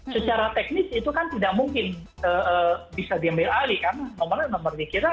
secara teknis itu kan tidak mungkin bisa diambil alih karena nomornya nomor dikira